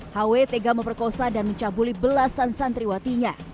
hw tega memperkosa dan mencabuli belasan santriwatinya